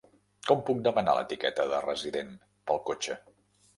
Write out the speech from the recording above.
Com puc demanar l'etiqueta de resident pel cotxe?